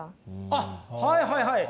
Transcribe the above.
あっはいはいはい！